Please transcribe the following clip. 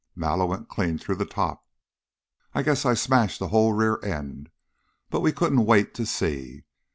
Mallow went clean through the top. I guess I smashed the whole rear end, but we couldn't wait to see.